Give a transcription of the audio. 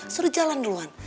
suruh jalan duluan